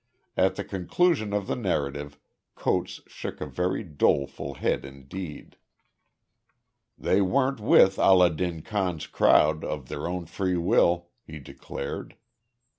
At the conclusion of the narrative Coates shook a very doleful head indeed. "They weren't with Allah din Khan's crowd of their own free will," he declared.